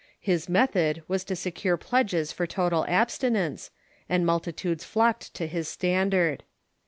His method was to secure pledges for total abstinence, and multi tudes flocked to his standard.